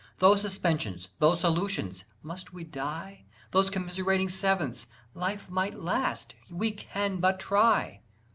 Those suspensions, those solutions "Must we die?" Those commiserating sevenths "Life might last! we can but try!"